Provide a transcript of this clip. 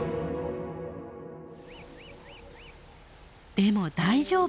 でも大丈夫。